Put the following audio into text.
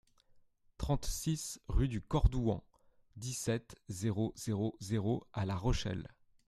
trente-six rue DU CORDOUAN, dix-sept, zéro zéro zéro à La Rochelle